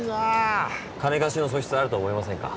金貸しの素質あると思いませんか？